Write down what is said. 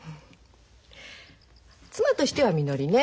妻としてはみのりね。